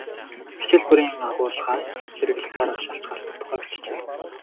Хичээл бүрийн агуулгаас хэрэглэх арга шалтгаалдаг тухай бичжээ.